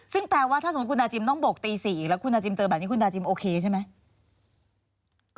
ซึ่งแต่ว่าถ้าคุณนาจิมต้องบกตี๔แล้วเกิดให้คุณนาจิมโอเคใช่ไหม